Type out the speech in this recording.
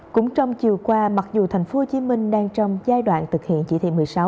cũng trong chiều qua mặc dù thành phố hồ chí minh đang trong giai đoạn thực hiện chỉ thị một mươi sáu